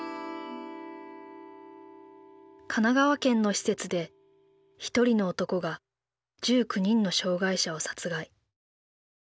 神奈川県の施設で１人の男が１９人の障害者を殺害。